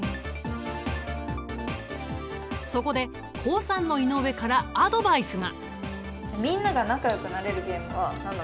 そこで高３の井上からアドバイスが。